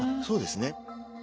そうですね。